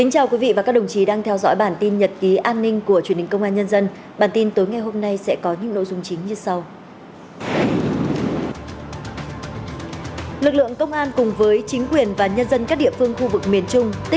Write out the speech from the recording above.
hãy đăng ký kênh để ủng hộ kênh của chúng mình nhé